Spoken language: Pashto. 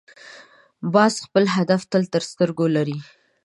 باز خپل هدف تل تر سترګو لري